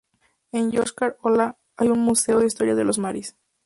En Yoshkar-Olá hay un museo de historia de los maris.